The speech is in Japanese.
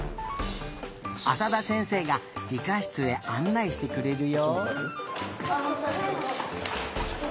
浅田先生がりかしつへあんないしてくれるよ。